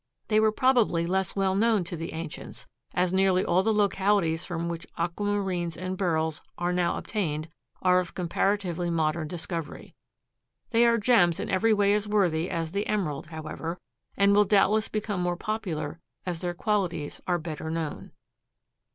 They were probably less well known to the ancients, as nearly all the localities from which aquamarines and Beryls are now obtained are of comparatively modern discovery. They are gems in every way as worthy as the emerald, however, and will doubtless become more popular as their qualities are better known.